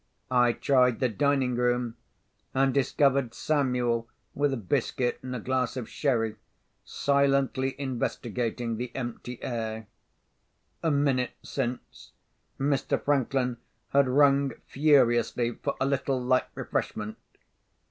I tried the dining room, and discovered Samuel with a biscuit and a glass of sherry, silently investigating the empty air. A minute since, Mr. Franklin had rung furiously for a little light refreshment.